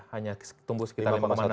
hanya tumbuh sekitar berapa tahun